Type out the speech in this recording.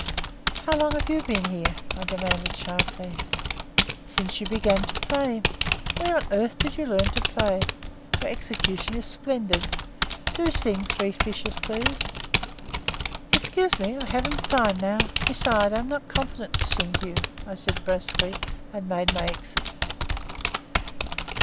"How long have you been here?" I demanded sharply. "Since you began to play. Where on earth did you learn to play? Your execution is splendid. Do sing 'Three Fishers', please." "Excuse me; I haven't time now. Besides I am not competent to sing to you," I said brusquely, and made my exit.